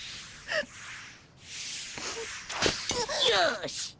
よし。